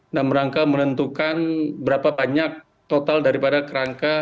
dan merangka menentukan berapa banyak total daripada kerangka